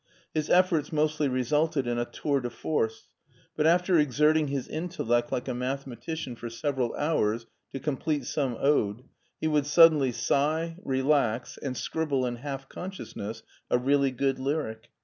His efforts mostly resulted in a tour de force, but after exerting his intellect like a mathematician for several hours to complete some ode, he would suddenly sigh, relax, and scribble in half consciousness a really good lyric.